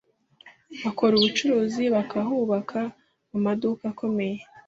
bakora ubucuruzi, bakahubaka amaduka akomeye